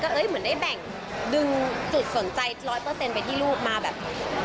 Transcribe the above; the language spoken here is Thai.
มันก็เหมือนได้แบ่งดึงจุดสนใจร้อยเปอร์เซ็นต์ไปที่ลูกมาแบบ